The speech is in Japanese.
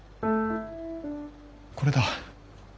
これだ。